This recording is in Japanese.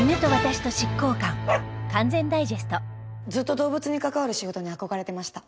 ずっと動物に関わる仕事に憧れてました。